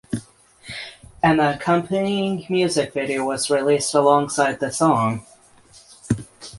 An accompanying music video was released alongside the song.